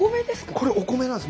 これお米なんです。